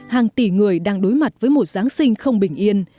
hàng tỷ người đang đối mặt với một giáng sinh không bình yên